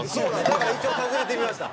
だから一応尋ねてみました。